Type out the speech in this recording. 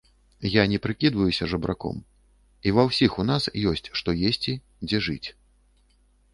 Я не прыкідваюся жабраком, і ва ўсіх у нас ёсць што есці, дзе жыць.